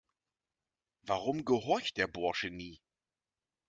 Warum gehorcht der Bursche nie?